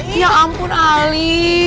eh ya ampun ali